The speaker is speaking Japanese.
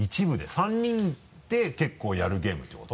３人で結構やるゲームってこと？